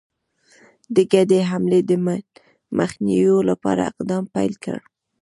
د ګډي حملې د مخنیوي لپاره اقدام پیل کړ.